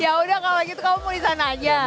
ya udah kalau gitu kamu mau di sana aja